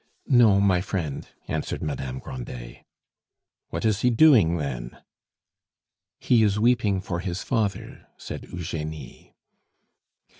"No, my friend," answered Madame Grandet. "What is he doing then?" "He is weeping for his father," said Eugenie.